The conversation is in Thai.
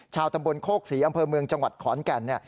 ชาวตำบลโคกศรีอำเภอเมืองจังหวัดขอนแก่น